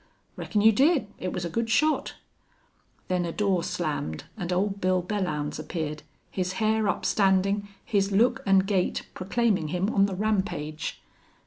"Reckon you did. It was a good shot." Then a door slammed and Old Bill Belllounds appeared, his hair upstanding, his look and gait proclaiming him on the rampage.